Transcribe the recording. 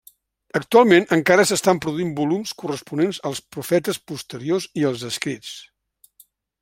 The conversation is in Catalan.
Actualment encara s'estan produint volums corresponents als profetes posteriors i als escrits.